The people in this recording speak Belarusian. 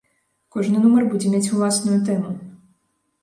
Кожны нумар будзе мець уласную тэму.